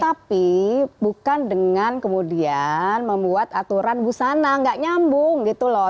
tapi bukan dengan kemudian membuat aturan busana nggak nyambung gitu loh